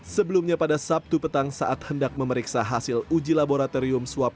sebelumnya pada sabtu petang saat hendak memeriksa hasil uji laboratorium swab